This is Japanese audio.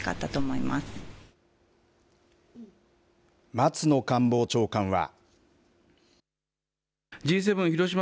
松野官房長官は。